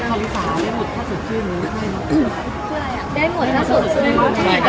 ของยกกะบิงแบบเหมือนใบเจ๋งไว้เจ๋งเกมครับ